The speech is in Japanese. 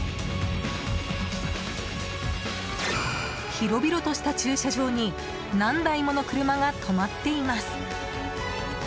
広々とした駐車場に何台もの車が止まっています。